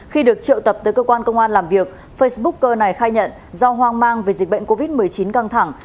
khi được triệu tập tới cơ quan công an làm việc facebook cơ này khai nhận do hoang mang về dịch bệnh covid một mươi chín căng thẳng